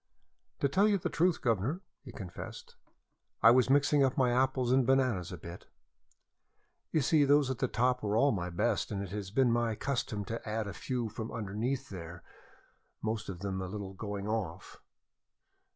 "To tell you the truth, guvnor," he confessed, "I was mixing up my apples and bananas a bit. You see, those at the top were all the best, and it has been my custom to add a few from underneath there most of them a little going off.